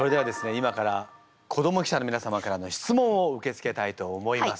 今から子ども記者のみなさまからの質問を受け付けたいと思います。